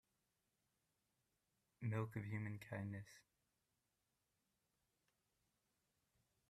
Milk of human kindness